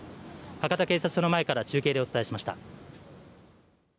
博多警察署の前から中継でお伝えしました。